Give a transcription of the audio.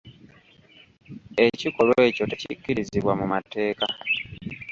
Ekikolwa ekyo tekikkirizibwa mu mateeka.